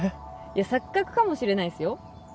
いや錯覚かもしれないですよ。